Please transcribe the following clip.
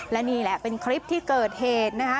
และนี่แหละเป็นคลิปที่เกิดเหตุนะคะ